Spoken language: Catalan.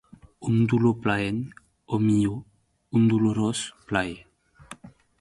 Un dolor plaent, o millor, un dolorós plaer.